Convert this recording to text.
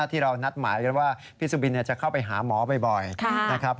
ที่เรานัดหมายกันว่าพี่สุบินจะเข้าไปหาหมอบ่อยนะครับ